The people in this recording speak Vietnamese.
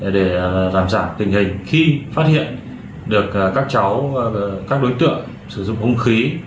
để giảm giảm tình hình khi phát hiện được các đối tượng sử dụng hung khí